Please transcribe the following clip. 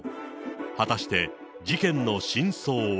果たして事件の真相は。